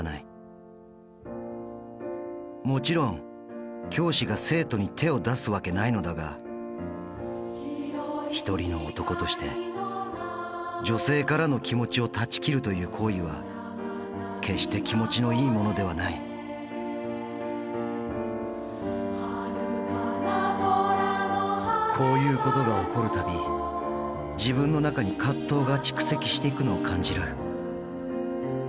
もちろん教師が生徒に手を出すわけないのだが一人の男として女性からの気持ちを断ち切るという行為は決して気持ちのいいものではないこういうことが起こる度自分の中に葛藤が蓄積していくのを感じる。